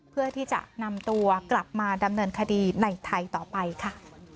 เพื่อที่จะนำตัวกลับมาดำเนินคดีในไทยต่อไปค่ะ